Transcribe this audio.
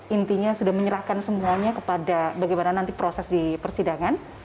intinya sudah menyerahkan semuanya kepada bagaimana nanti proses di persidangan